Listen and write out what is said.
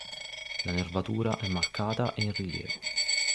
La nervatura è marcata e in rilievo.